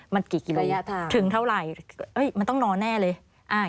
มันกี่กี่รูปถึงเท่าไรมันต้องนอนแน่เลย